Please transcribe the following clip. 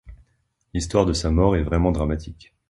L'histoire de sa mort est vraiment dramatique.